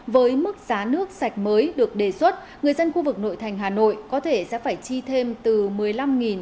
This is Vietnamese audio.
với mức giá nước sạch mới được đề xuất người dân khu vực nội thành hà nội có thể sẽ phải chi thêm từ một mươi năm đồng